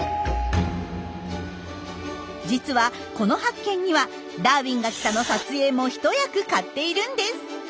実はこの発見には「ダーウィンが来た！」の撮影も一役買っているんです。